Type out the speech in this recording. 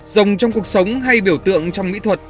rồng trong cuộc sống hay biểu tượng trong mỹ thuật